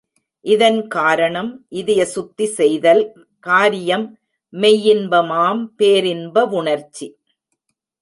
இதன் காரணம் இதய சுத்தி செய்தல் காரியம் மெய்யின்பமாம் பேரின் பவுணர்ச்சி.